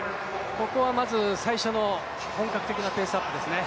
ここはまず最初の本格的なペースアップですね。